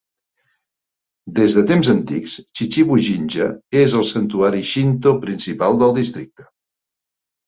Des de temps antics, Chichibu-jinja és el santuari Shinto principal del districte.